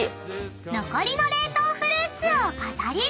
［残りの冷凍フルーツを飾り付けて］